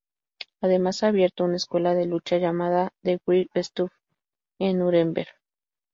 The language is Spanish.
Además ha abierto una escuela de lucha llamado "The Wright Stuff" en Nuremberg.